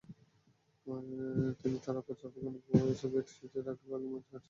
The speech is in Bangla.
তিনি তারাপুর চা–বাগানের ভুয়া সেবায়েত সেজে রাগীব আলীর কাছে বন্দোবস্ত দিয়েছিলেন।